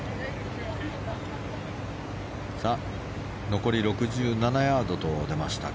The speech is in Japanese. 残り６７ヤードと出ました